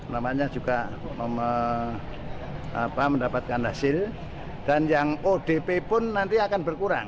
namanya juga mendapatkan hasil dan yang odp pun nanti akan berkurang